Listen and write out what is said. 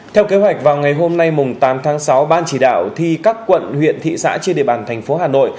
theo kế hoạch vào ngày hôm nay tám tháng sáu ban chỉ đạo thi các quận huyện thị xã trên địa bàn thành phố hà nội